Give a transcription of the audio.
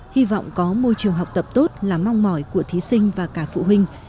hy vọng có môi trường học tập tốt là mong mỏi của thí sinh và cả phụ huynh